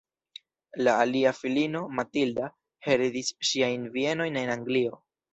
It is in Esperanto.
La alia filino, Matilda, heredis ŝiajn bienojn en Anglio.